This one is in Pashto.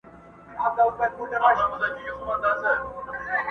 نجلۍ نه وه شاه پري وه ګلدسته وه!.